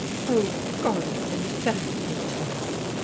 " Oh, God has been very good to us